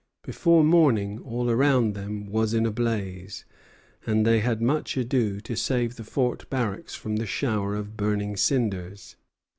Before morning all around them was in a blaze, and they had much ado to save the fort barracks from the shower of burning cinders.